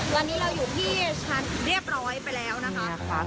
ตอนนี้เราอยู่ที่ชั้นเรียบร้อยไปแล้วนะคะ